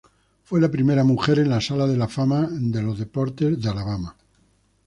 Fue la primera mujer en la Sala de la Fama en Deportes de Alabama.